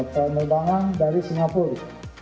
penerbangan dari singapura